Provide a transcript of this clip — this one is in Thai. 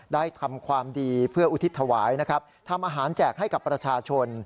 ทำความดีเพื่ออุทิศถวายนะครับทำอาหารแจกให้กับประชาชน